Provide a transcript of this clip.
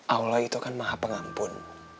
allah itu kan maha pengampun